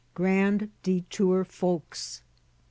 GRAND DETOUR FOLKS.